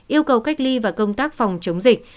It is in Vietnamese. yêu cầu cách ly và công tác phòng chống dịch